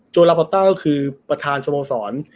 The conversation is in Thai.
ลาพอต้าก็คือประธานสโมสร